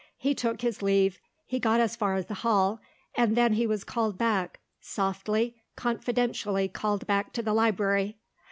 He took his leave; he got as far as the hall; and then he was called back softly, confidentially called back to the library.